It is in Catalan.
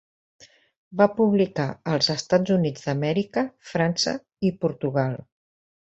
Va publicar als Estats Units d'Amèrica, França i Portugal.